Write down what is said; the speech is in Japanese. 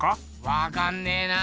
わかんねえな。